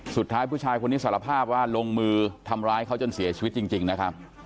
สุดท้ายผู้ชายคนนี้สารภาพว่าลงมือทำร้ายเขาจนเสียชีวิตจริงนะครับ